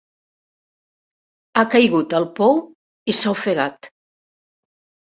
Ha caigut al pou i s'ha ofegat.